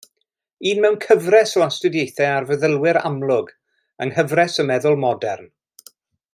Un mewn cyfres o astudiaethau ar feddylwyr amlwg, yng Nghyfres y Meddwl Modern.